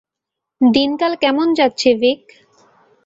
দিনকাল কেমন যাচ্ছে, ভিক?